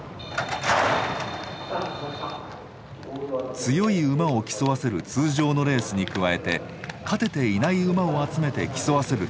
強い馬を競わせる通常のレースに加えて勝てていない馬を集めて競わせるレース